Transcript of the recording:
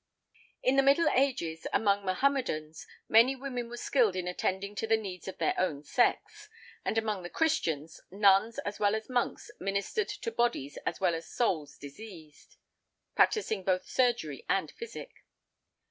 In the Middle Ages, among Mohammedans, many women were skilled in attending to the needs of their own sex; and among the Christians, nuns as well as monks ministered to bodies as well as souls diseased, practising both surgery and physic.